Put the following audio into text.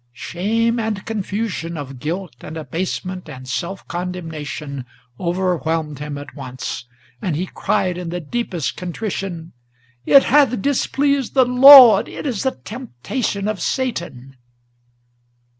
Shame and confusion of guilt, and abasement and self condemnation, Overwhelmed him at once; and he cried in the deepest contrition: "It hath displeased the Lord! It is the temptation of Satan!"